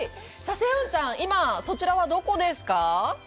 セヨンちゃん、今、そちらはどこですか？